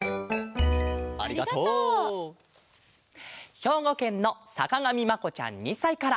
ひょうごけんのさかがみまこちゃん２さいから。